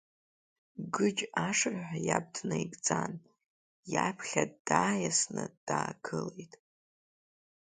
Гыџь ашырҳәа иаб днаихьӡан, иаԥхьа дааиасны даагылеит.